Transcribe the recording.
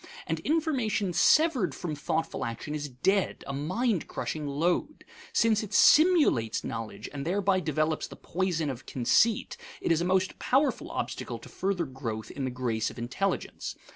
And information severed from thoughtful action is dead, a mind crushing load. Since it simulates knowledge and thereby develops the poison of conceit, it is a most powerful obstacle to further growth in the grace of intelligence.